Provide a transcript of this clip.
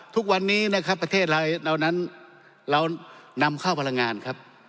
ทุกวันนี้นะครับประเทศเรานั้นเรานำเข้าพลังงานครับ